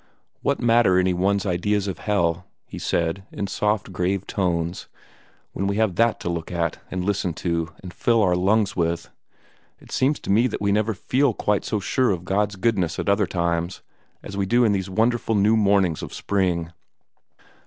"What matter anyone's ideas of hell," he said, in soft, grave tones, "when we have that to look at, and listen to, and fill our lungs with? It seems to me that we never FEEL quite so sure of God's goodness at other times as we do in these wonderful new mornings of spring."